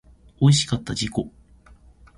おいしかった自己